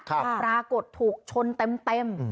ปรากฏถูกชนเต็ม